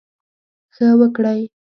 ښه وکړٸ.